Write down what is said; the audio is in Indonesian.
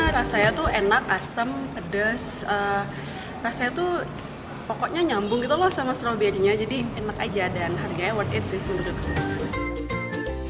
rasanya tuh enak asem pedas rasanya tuh pokoknya nyambung gitu loh sama stroberinya jadi enak aja dan harganya worth it sih menurutku